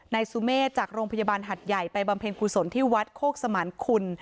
นายสุเมฆจากโรงพยาบาลหัดใหญ่ไปบำเพ็ญกุศลที่วัดโคกสมานคุณ